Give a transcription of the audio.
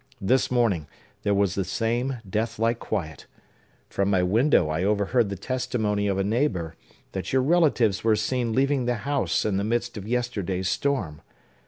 This morning, there was the same death like quiet. From my window, I overheard the testimony of a neighbor, that your relatives were seen leaving the house in the midst of yesterday's storm.